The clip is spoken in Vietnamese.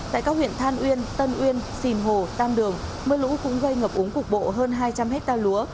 tại các huyện than uyên tân uyên xìn hồ tam đường mưa lũ cũng gây ngập úng cục bộ hơn hai trăm linh hectare lúa